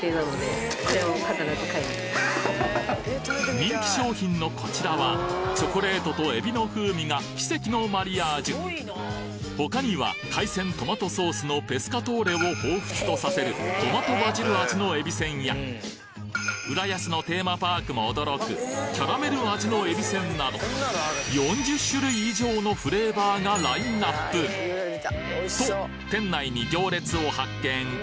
人気商品のこちらはチョコレートとえびの風味が奇跡のマリアージュ他には海鮮トマトソースのペスカトーレを彷彿とさせるトマト＆バジル味のえびせんや浦安のテーマパークも驚くキャラメル味のえびせんなど４０種類以上のフレーバーがラインナップと店内に行列を発見！